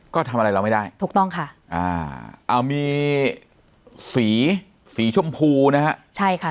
ก็ทำอะไรเราไม่ได้ถูกต้องค่ะอ่าเอามีสีสีชมพูนะฮะใช่ค่ะ